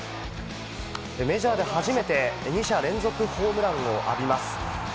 メジャーで初めて２者連続ホームランを浴びます。